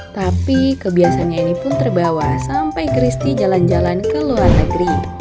tapi kebiasaannya ini pun terbawa sampai christie jalan jalan ke luar negeri